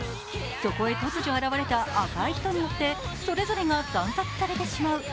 そこへ突如現れた赤い人によってそれぞれが惨殺されてしまう。